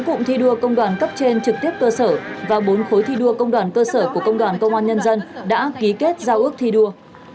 sáu cụm thi đua công đoàn cấp trên trực tiếp cơ sở và bốn khối thi đua công đoàn cơ sở của công đoàn công an nhân dân đã ký kết giao ước thi đua